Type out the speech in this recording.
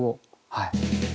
はい。